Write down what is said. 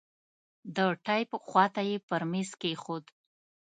د ټېپ خوا ته يې پر ميز کښېښود.